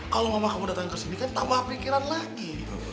kalau mama kamu datang kesini kan tambah pikiran lagi